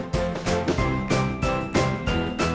มีความสุขในที่เราอยู่ในช่องนี้ก็คือความสุขในที่เราอยู่ในช่องนี้